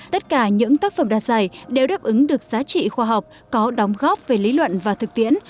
tất cả những tác phẩm đạt giải đều đáp ứng được giá trị khoa học có đóng góp về lý luận và thực tiễn